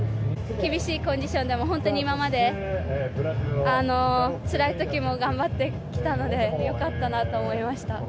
厳しいコンディションでも本当に今まで、つらいときも頑張ってきたので、よかったなと思いました。